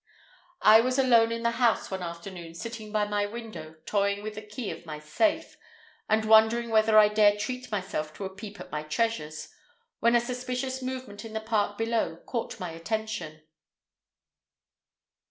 I was alone in the house one afternoon sitting by my window, toying with the key of my safe, and wondering whether I dare treat myself to a peep at my treasures, when a suspicious movement in the park below caught my attention.